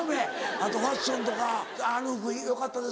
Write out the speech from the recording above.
あとファッションとか「あの服よかったですね」